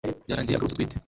Byarangiye agarutse atwite